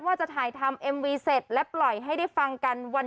ว่าจะถ่ายทำเอ็มวีเสร็จและปล่อยให้ได้ฟังกันวัน